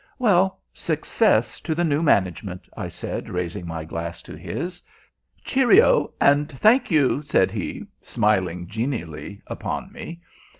"Well, success to the new management!" I said, raising my glass to his. "Cheerio, and thank you," said he, smiling genially upon me.